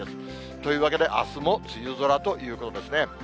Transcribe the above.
というわけで、あすも梅雨空ということですね。